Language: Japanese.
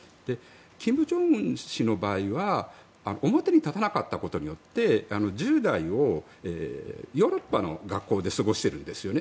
金正恩氏の場合は表に立たなかったことによって１０代をヨーロッパの学校で過ごしているんですよね。